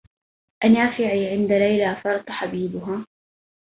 أنافعي عند ليلى فرط حبيها